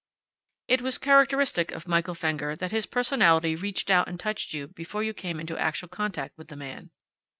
It was characteristic of Michael Fenger that his personality reached out and touched you before you came into actual contact with the man.